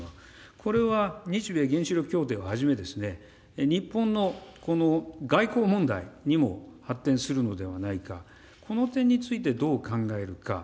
これは日米原子力協定をはじめ、日本の外交問題にも発展するのではないか、この点についてどう考えるか。